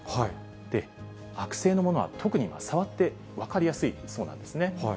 で、悪性のものは、特に触って分かりやすいそうなんですね。